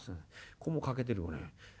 ここも欠けてる。